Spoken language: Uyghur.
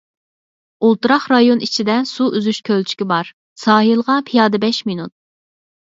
ئولتۇراق رايون ئىچىدە سۇ ئۈزۈش كۆلچىكى بار، ساھىلغا پىيادە بەش مىنۇت.